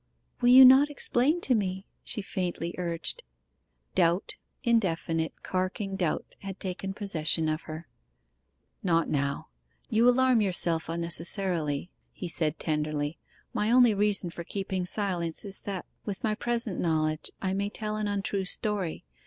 'Will you not explain to me?' she faintly urged. Doubt indefinite, carking doubt had taken possession of her. 'Not now. You alarm yourself unnecessarily,' he said tenderly. 'My only reason for keeping silence is that with my present knowledge I may tell an untrue story.